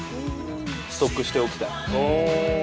ストックしておきたい。